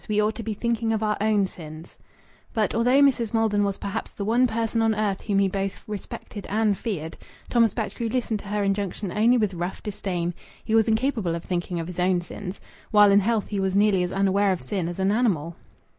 We ought to be thinking of our own sins." But, although Mrs. Maldon was perhaps the one person on earth whom he both respected and feared, Thomas Batchgrew listened to her injunction only with rough disdain. He was incapable of thinking of his own sins. While in health, he was nearly as unaware of sin as an animal.